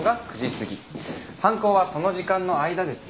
犯行はその時間の間ですね。